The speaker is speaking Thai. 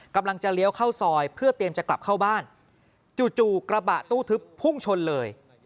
กำลังจะเลี้ยวเข้าซอยเพื่อเตรียมจะกลับเข้าบ้านจู่กระบะตู้ทึบพุ่งชนเลย